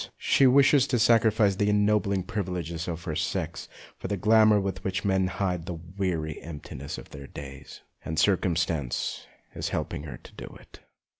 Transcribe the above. She wishes to sacrifice the ennobling privileges of her sex for the glamour with which men hide the weary emptiness of their days. And circumstance is helping her to do it.